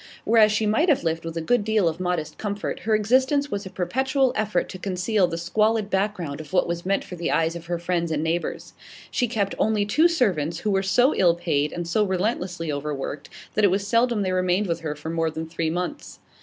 Whereas she might have lived with a good deal of modest comfort, her existence was a perpetual effort to conceal the squalid background of what was meant for the eyes of her friends and neighbours. She kept only two servants, who were so ill paid and so relentlessly overworked that it was seldom they remained with her for more than three months.